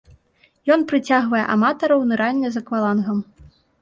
Ён прыцягвае аматараў нырання з аквалангам.